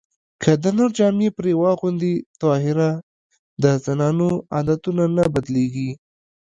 که د نر جامې پرې واغوندې طاهره د زنانو عادتونه نه بدلېږي